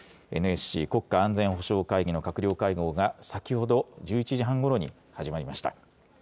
ＮＳＣ・国家安全保障会議の閣僚会合が先ほど１１時半ごろに始まりました。